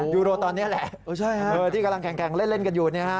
ยูโรตอนนี้แหละที่กำลังแข่งเล่นกันอยู่